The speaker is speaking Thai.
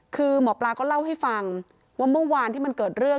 คือหมอปลาก็เล่าให้ฟังว่าเมื่อวานที่มันเกิดเรื่อง